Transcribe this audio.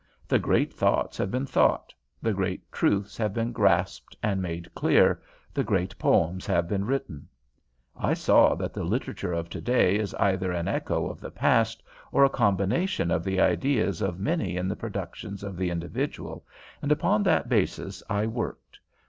The great thoughts have been thought; the great truths have been grasped and made clear; the great poems have been written. I saw that the literature of to day is either an echo of the past or a combination of the ideas of many in the productions of the individual, and upon that basis I worked.